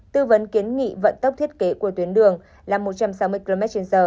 tư vấn kiến nghị vận tốc thiết kế của tuyến đường là một trăm sáu mươi kmh